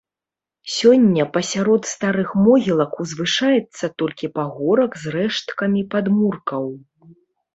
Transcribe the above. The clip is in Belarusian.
Сёння пасярод старых могілак узвышаецца толькі пагорак з рэшткамі падмуркаў.